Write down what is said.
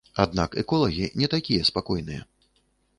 Аднак эколагі не такія спакойныя.